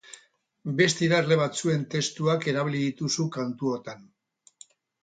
Beste idazle batzuen testuak erabili dituzu kantuotan.